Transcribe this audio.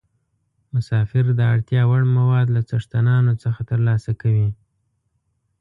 مسافر د اړتیا وړ مواد له څښتنانو څخه ترلاسه کوي.